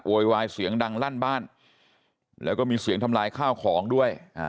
วายเสียงดังลั่นบ้านแล้วก็มีเสียงทำลายข้าวของด้วยอ่า